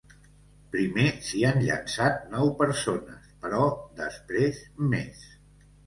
Primer s’hi han llançat nou persones, però després més.